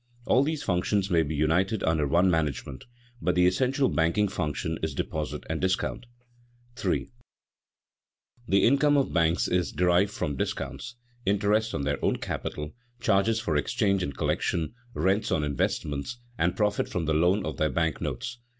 All these functions may be united under one management, but the essential banking function is deposit and discount. [Sidenote: Sources of the income of banks] 3. _The income of banks is derived from discounts, interest on their own capital, charges for exchange and collection, rents on investments, and profit from the loan of their bank notes.